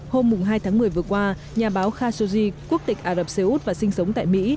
hôm hai tháng một mươi vừa qua nhà báo khashoggi quốc tịch ả rập xê út và sinh sống tại mỹ